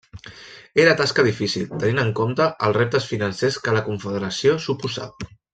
Era tasca difícil, tenint en compte els reptes financers que la Confederació suposava.